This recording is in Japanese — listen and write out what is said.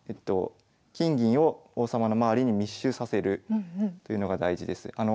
金銀を王様の周りに密集させるというのが大事です。